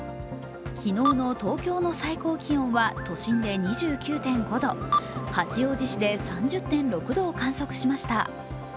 昨日の東京の最高気温は都心で２９．５度、八王子市で３０．６度を観測しました。